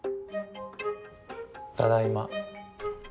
ただいま。